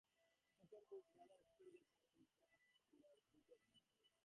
Tolkien and his brother spent their childhood in Birmingham with their widowed mother.